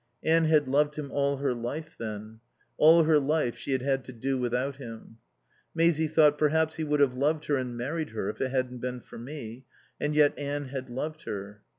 Anne had loved him all her life, then. All her life she had had to do without him. Maisie thought: Perhaps he would have loved her and married her if it hadn't been for me. And yet Anne had loved her.